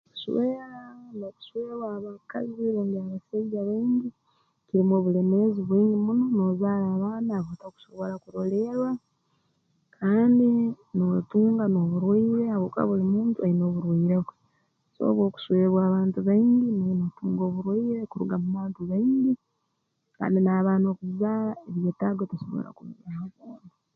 Kuswera n'okuswerwa abakazi rundi abasaija baingi kirumu obulemeezi bwingi muno noozaara abaana ab'otakusobora kurolerra kandi nootunga n'oburwaire habwokuba buli muntu aine oburwaire bwe so obu okuswerwa abantu baingi naiwe nootunga oburwaire kuruga mu bantu baingi kandi n'abaana okuzaara ebyetaago tosobora kubibaha byona